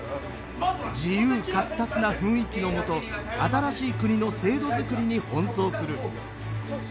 自由闊達な雰囲気のもと新しい国の制度づくりに奔走する。